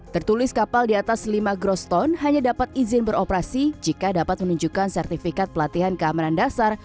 tertulis kapal di atas lima groston hanya dapat izin beroperasi jika dapat menunjukkan sertifikat pelatihan keamanan dasar